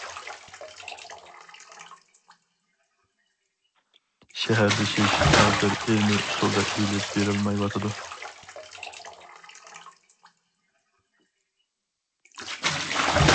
شەھەرلىشىش ھازىر ئىلمى ئۇسۇلدا ئېلىپ بېرىلمايۋاتىدۇ.